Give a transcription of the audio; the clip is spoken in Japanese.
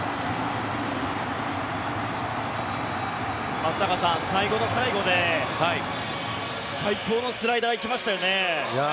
松坂さん、最後の最後で最高のスライダー行きましたよね。